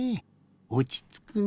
おちつくね。